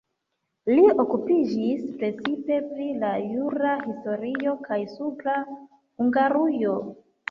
Li okupiĝis precipe pri la jura historio kaj Supra Hungarujo.